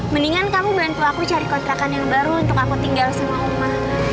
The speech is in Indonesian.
mendingan kamu bantu aku cari kontrakan yang baru untuk aku tinggal semua rumah